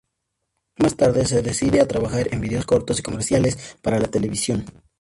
Más tarde se decide a trabajar en vídeos cortos y comerciales para la televisión.